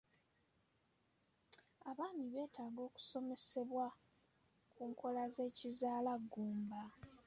Abaami beetaaga okusomesebwa ku nkola z'ekizaala ggumba.